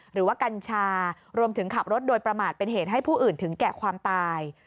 กัญชารวมถึงขับรถโดยประมาทเป็นเหตุให้ผู้อื่นถึงแก่ความตาย